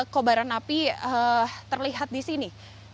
kobaran api terlihat di sini